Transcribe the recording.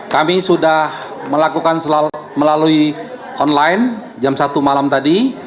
kami sudah melakukan melalui online jam satu malam tadi